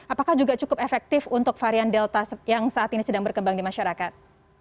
apakah juga cukup efektif untuk varian delta yang saat ini sedang berkembang di masyarakat